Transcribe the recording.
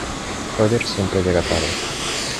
Roger siempre llega tarde.